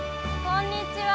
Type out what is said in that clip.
こんにちは。